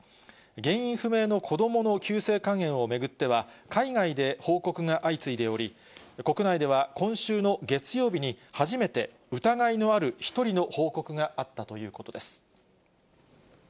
原因不明の子どもの急性肝炎を巡っては、海外で報告が相次いでおり、国内では今週の月曜日に、初めて疑いのある１人の報告があったということです。